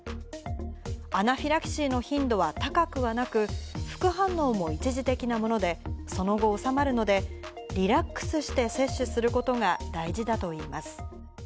アナフィラキシーの頻度は高くはなく、副反応も一時的なもので、その後治まるので、リラックスして接種することが大事だといいます。